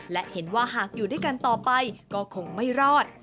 และเห็นว่าหากอยู่ด้วยกันต่อไปก็คงไม่รอด